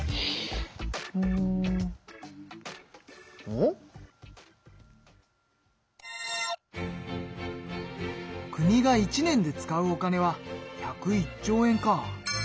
おっ？国が一年で使うお金は１０１兆円か。